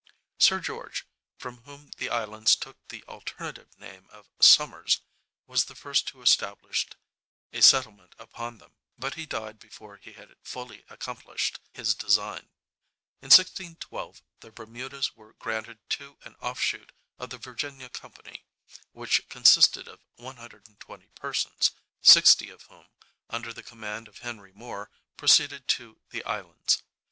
Sir George, from whom the islands took the alternative name of Somers, was the first who established a settlement upon them, but he died before he had fully accomplished his design. In 1612 the Bermudas were granted to an offshoot of the Virginia Company, which consisted of 120 persons, 60 of whom, under the command of Henry More, proceeded to the islands.